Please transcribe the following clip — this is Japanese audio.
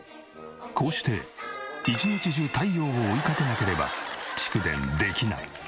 こうして一日中太陽を追いかけなければ蓄電できない。